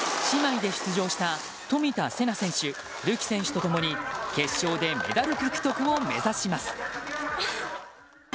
姉妹で出場した冨田せな選手るき選手とともに決勝でメダル獲得を目指します。